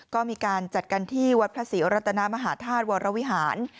ก็มีการจัดกันที่วัดพระศรีรัตนามหาธาตุวรวิหาร